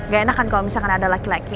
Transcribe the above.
gak enak kan kalau misalkan ada laki laki